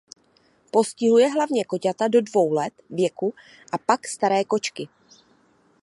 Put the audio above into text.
Postihuje hlavně koťata do dvou let věku a pak staré kočky.